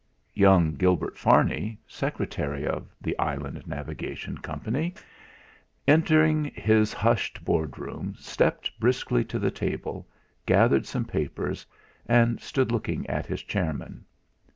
Young Gilbert Farney, secretary of "The Island Navigation Company," entering his hushed Board room, stepped briskly to the table, gathered some papers, and stood looking at his chairman.